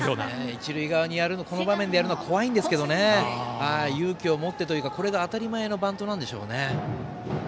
一塁側にこの場面でやるのは怖いんですけど勇気を持ってというかこれが当たり前のバントなんでしょうね。